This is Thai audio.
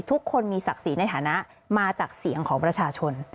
ทุกคนมีศักดิ์ศรีในฐานะมาจากเสียงของประชาชน